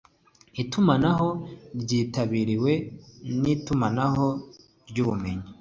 itumanaho ryitabiriwe n'itumanaho ry'ubumenyi